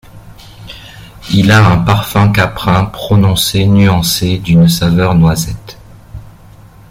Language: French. Il a un parfum caprin prononcé nuancé d'une saveur noisette.